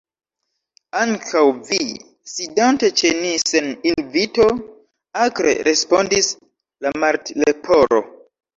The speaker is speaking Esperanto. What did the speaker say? "Ankaŭ vi, sidante ĉe ni sen invito," akre respondis la Martleporo.